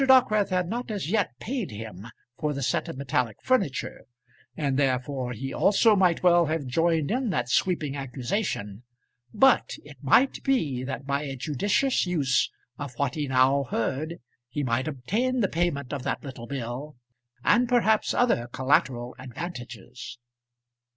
Dockwrath had not as yet paid him for the set of metallic furniture, and therefore he also might well have joined in that sweeping accusation; but it might be that by a judicious use of what he now heard he might obtain the payment of that little bill, and perhaps other collateral advantages.